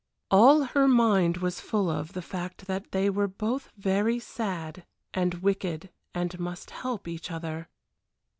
All her mind was full of the fact that they were both very sad and wicked and must help each other.